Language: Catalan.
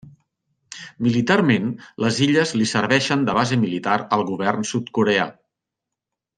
Militarment, les illes li serveixen de base militar al govern sud-coreà.